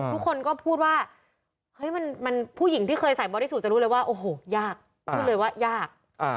ทุกคนก็พูดว่าเฮ้ยมันผู้หญิงที่เคยใส่บริสุทธิ์จะรู้เลยว่าโอ้โหยากพูดเลยว่ายาก